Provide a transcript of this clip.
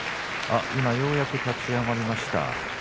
今ようやく立ち上がりました。